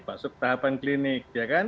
maksudnya tahapan klinik